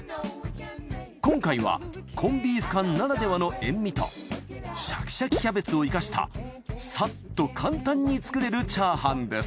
今回はコンビーフ缶ならではの塩味とシャキシャキキャベツを生かしたサッと簡単に作れるチャーハンです